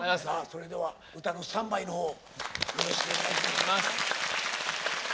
それでは歌のスタンバイのほうよろしくお願いします。